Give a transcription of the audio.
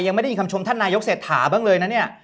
ยังไม่ได้ยินคำชมท่านนายกเศรษฐาบ้างเลยนะเนี่ย